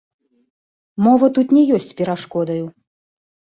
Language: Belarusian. Мова тут не ёсць перашкодаю.